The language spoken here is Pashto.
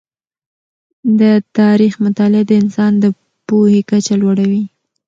د تاریخ مطالعه د انسان د پوهې کچه لوړوي.